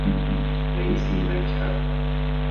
李氏力場